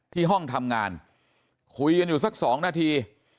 ห้องทำงานคุยกันอยู่สัก๒นาที